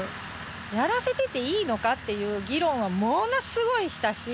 やらせてていいのか？っていう議論はものすごいしたし。